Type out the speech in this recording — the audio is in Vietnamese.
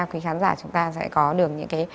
quý khán giả chúng ta sẽ có được những cái